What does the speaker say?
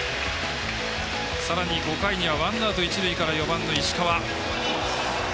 さらに５回にはワンアウト、一塁から４番の石川。